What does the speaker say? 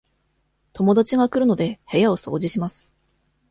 友達が来るので、部屋を掃除します。